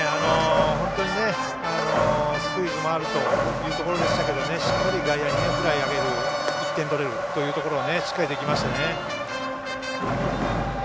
本当にスクイズもあるというところでしたがしっかり外野にフライを上げる１点取れるというところしっかりできましたね。